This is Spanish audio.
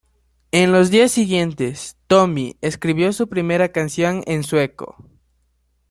En los días siguientes, Tommy escribió su primera canción en Sueco.